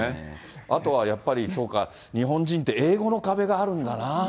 あとはやっぱり、そうか、日本人って、英語の壁があるんだな。